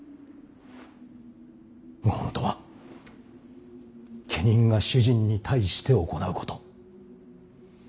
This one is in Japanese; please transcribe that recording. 謀反とは家人が主人に対して行うこと。